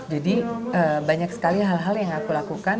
jadi banyak sekali hal hal yang aku lakukan